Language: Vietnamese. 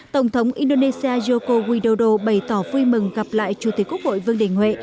tổng thống indonesia joko widodo bày tỏ vui mừng gặp lại chủ tịch quốc hội vương đình huệ